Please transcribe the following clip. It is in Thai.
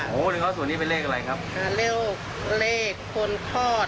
โหนี่เป็นเลขอะไรครับนี่เป็นเลขเรขคนฆอด